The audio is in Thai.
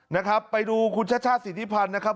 นะครับไปดูคุณชศภาษณ์ศิลิพรรณนะครับ